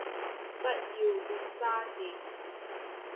不要亂花錢